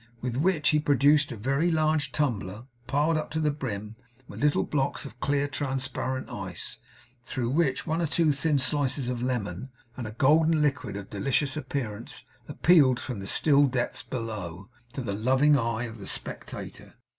With which he produced a very large tumbler, piled up to the brim with little blocks of clear transparent ice, through which one or two thin slices of lemon, and a golden liquid of delicious appearance, appealed from the still depths below, to the loving eye of the spectator.